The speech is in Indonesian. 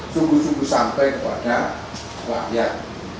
sungguh sungguh sampai kepada rakyat